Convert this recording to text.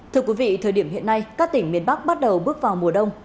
thưa quý vị thời điểm hiện nay các tỉnh miền bắc bắt đầu bước vào mùa đông